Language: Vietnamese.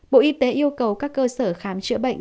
bộ y tế yêu cầu các cơ sở khám chữa bệnh